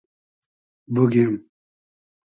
بوگیم